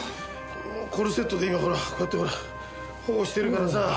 コルセットで今ほらこうやって保護してるからさ